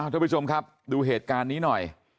ทุกผู้ชมครับดูเหตุการณ์นี้หน่อย